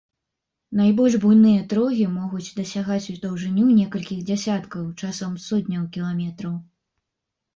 Найбольш буйныя трогі могуць дасягаць у даўжыню некалькіх дзесяткаў, часам сотняў кіламетраў.